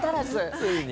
ついに。